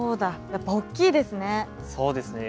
やっぱ大きいですね。